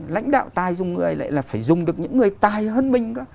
lãnh đạo tài dùng người lại là phải dùng được những người tài hơn mình cả